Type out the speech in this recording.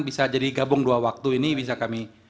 bisa jadi gabung dua waktu ini bisa kami